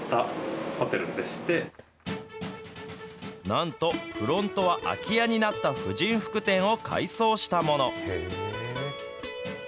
なんとフロントは、空き家になった婦人服店を改装したもの。